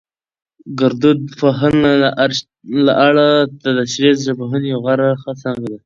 ګړدود پوهنه له اره دتشريحي ژبپوهنې يوه غوره څانګه ده